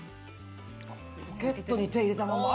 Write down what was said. ポケットに手入れたまま！